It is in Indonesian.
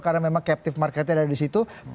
karena memang captive marketnya ada di situ